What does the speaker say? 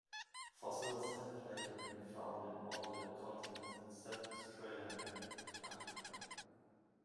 Fossils have later been found in all continents except Australia and Antarctica.